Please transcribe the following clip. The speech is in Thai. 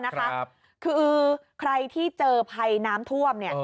คือใครที่เจอภัยน้ำท่วม